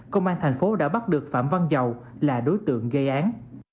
công an thành phố đã bắt được phạm văn dầu là đối tượng gây án